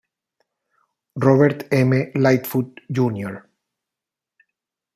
Robert M. Lightfoot, Jr.